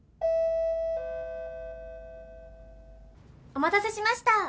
・お待たせしました。